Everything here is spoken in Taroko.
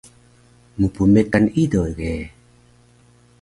Mpmekan ido ge